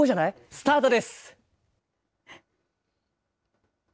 スタートです。